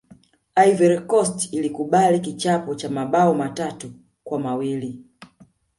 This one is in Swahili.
ivory coast ilikubali kichapo cha mabao matatu kwa mawili